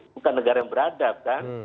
bukan negara yang beradab kan